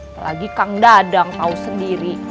apalagi kang dadang tahu sendiri